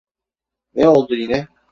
Ne oldu yine?